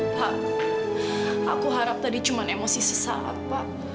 pak aku harap tadi cuma emosi sesaat saja pak